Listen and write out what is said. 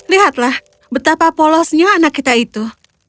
lihatlah betapa polosnya anak kita itu